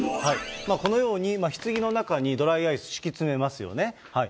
このようにひつぎの中にドライアイス敷き詰めますよね。